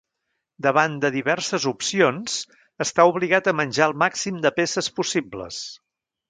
Davant de diverses opcions, està obligat a menjar el màxim de peces possibles.